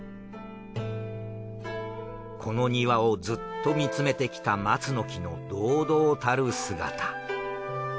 この庭をずっと見つめてきた松の木の堂々たる姿。